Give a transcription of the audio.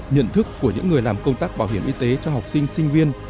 nhận thức của những người làm công tác bảo hiểm y tế cho học sinh sinh viên